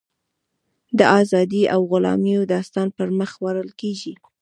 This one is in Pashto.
د ازادیو او غلامیو داستان پر مخ وړل کېږي.